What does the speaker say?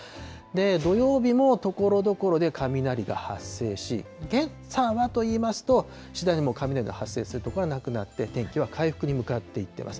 土曜日もところどころで雷が発生し、現在はといいますと、次第に雷が発生する所はなくなって、天気は回復に向かっていっています。